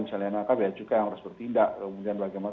misalnya nakab ya juga yang harus bertindak kemudian bagaimana